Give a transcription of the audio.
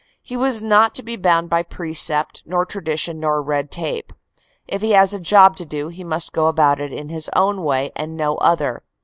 He was not to be bound by precept, nor tradition nor red tape. If he has a job to do, he must go about it his own way and no other.